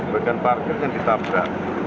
bukan parkir kan ditabrak